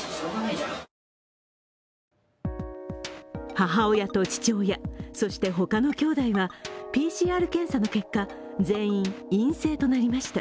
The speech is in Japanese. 母親と父親、そして他の兄弟はＰＣＲ検査の結果、全員陰性となりました。